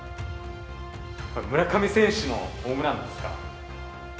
村上選手のホームランですか。